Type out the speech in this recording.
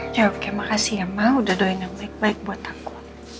ya oke makasih ya ma udah doain yang baik baik buat aku